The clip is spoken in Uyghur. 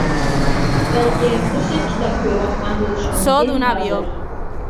بەلكىم تېرىشىپ كىتاب كۆرۈۋاتقان بولۇشى مۇمكىن ھازىر.